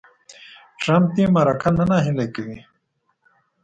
ټرمپ دې مرکه نه نهیلې کوي.